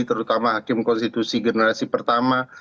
terutama hakim konstitusi generasi pertama